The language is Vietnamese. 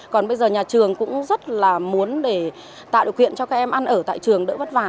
còn bây giờ nhà trường cũng rất là muốn để tạo điều kiện cho các em ăn ở tại trường đỡ vất vả